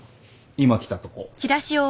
今来たとこ。